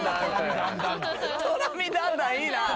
とらみだんだんいいな！